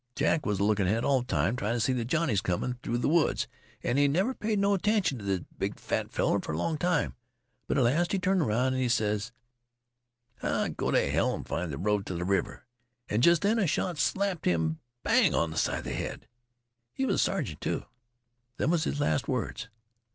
Jack was a lookin' ahead all th' time tryin' t' see th' Johnnies comin' through th' woods, an' he never paid no attention t' this big fat feller fer a long time, but at last he turned 'round an' he ses: 'Ah, go t' hell an' find th' road t' th' river!' An' jest then a shot slapped him bang on th' side th' head. He was a sergeant, too. Them was his last words.